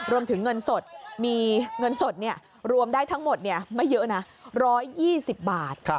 รวมถึงเงินสดมีเงินสดรวมได้ทั้งหมดไม่เยอะนะ๑๒๐บาท